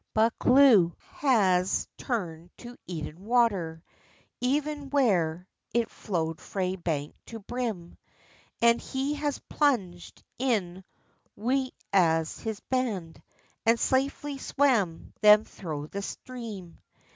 Buccleuch has turned to Eden Water, Even where it flowd frae bank to brim, And he has plunged in wi a' his band, And safely swam them thro the stream.